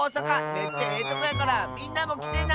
めっちゃええとこやからみんなもきてな！